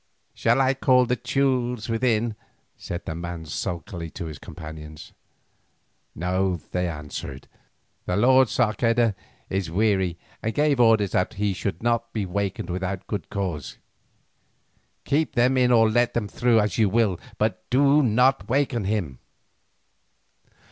"Shall I call the Teules within?" said the man sulkily to his companion. "No," he answered; "the lord Sarceda is weary and gave orders that he should not be awakened without good cause. Keep them in or let them through as you will, but do not wake him."